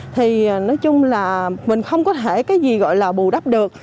thì nói chung là mình không có thể cái gì gọi là bù đắp được